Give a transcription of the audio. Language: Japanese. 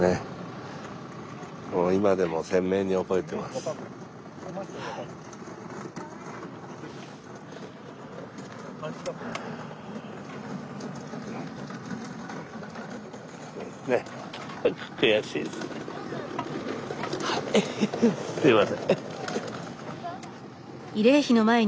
すみません。